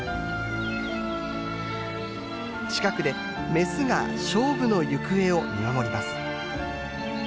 近くでメスが勝負の行方を見守ります。